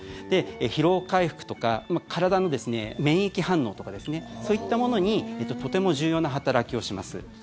疲労回復とか体の免疫反応とかそういったものにとても重要な働きをします。